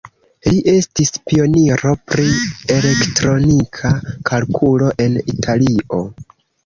Li estis pioniro pri elektronika kalkulo en Italio.